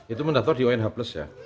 itu mendaftar di unh plus ya